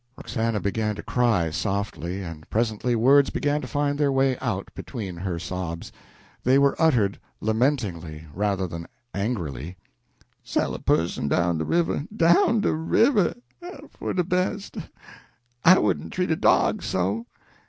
Roxana began to cry softly, and presently words began to find their way out between her sobs. They were uttered lamentingly, rather than angrily "Sell a pusson down de river down the river! for de bes'! I wouldn't treat a dog so!